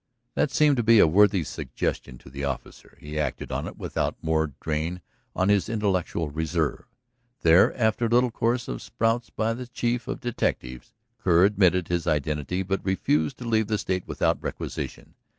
That seemed to be a worthy suggestion to the officer. He acted on it without more drain on his intellectual reserve. There, after a little course of sprouts by the chief of detectives, Kerr admitted his identity, but refused to leave the state without requisition.